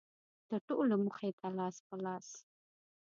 د ټولو مخې ته لاس په لاس.